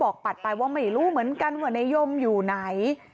อ๋อคือพี่ยืนดูปลา